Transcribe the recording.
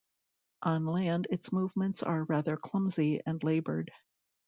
On land its movements are rather clumsy and laboured.